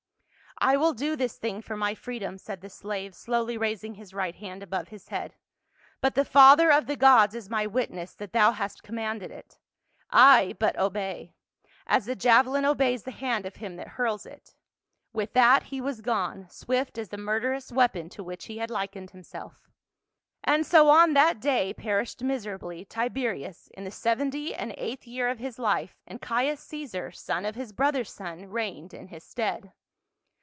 " I will do this thing for my freedom," said the slave, slowly raising his right hand above his head. " But the father of the gods is my witness that thou hast commanded it. I but obey — as the javelin obeys the hand of him that hurls it." With that he was gone, swift as the murderous weapon to which he had likened himself. THE MASTER OF THE WORLD. 113 And so on that day perished miserably, Tiberius, in the seventy and eighth year of his hfe, and Caius Caesar, son of his brother's son, reigned in his stead.